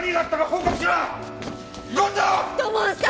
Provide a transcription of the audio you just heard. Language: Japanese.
土門さん！